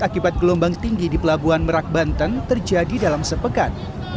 akibat gelombang tinggi di pelabuhan merak banten terjadi dalam sepekan